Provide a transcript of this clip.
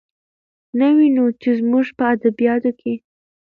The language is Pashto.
نو وينو، چې زموږ په ادبياتو کې